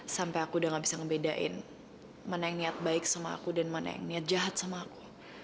sampai aku udah gak bisa ngebedain mana yang niat baik sama aku dan mana yang niat jahat sama aku